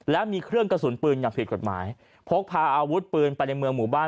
และมีเครื่องกระสุนปืนอย่างผิดกฎหมายพกพาอาวุธปืนไปในเมืองหมู่บ้าน